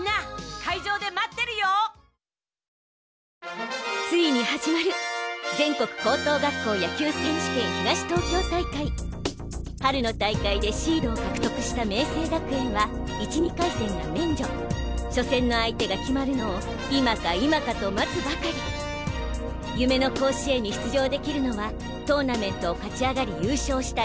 ニトリついに始まる全国高等学校野球選手権東東京大会春の大会でシードを獲得した明青学園は１・２回戦が免除初戦の相手が決まるのを今か今かと待つばかり夢の甲子園に出場できるのはトーナメントを勝ち上がり優勝した